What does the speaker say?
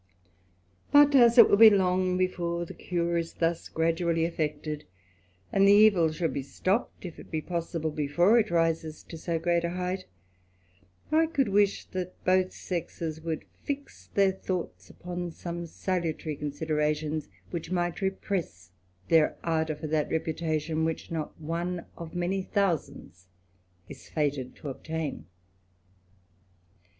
But as it will be long before the cure is thus gradually effected, and the evil should be stopped, if it be possibl^^ before it rises to so great a height, I could wish that botl^ sexes would fix their thoughts upon some salutary consider^ " tions, which might repress their ardour for that reputatio^^ which not one of many thousands is fated to obtain.